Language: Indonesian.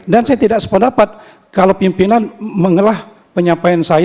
dan saya tidak sependapat kalau pimpinan mengelah penyelenggaraan